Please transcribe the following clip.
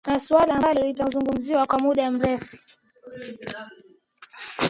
na suala ambalo litazungumziwa kwa muda mrefu